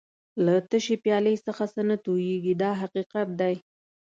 له تشې پیالې څخه څه نه تویېږي دا حقیقت دی.